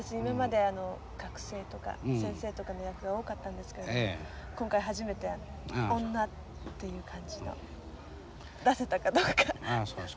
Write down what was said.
今まで学生とか先生とかの役が多かったんですけれども今回初めて「女」っていう感じを出せたかどうか。